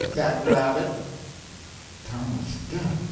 _—that rabbit!" Tom was stuck.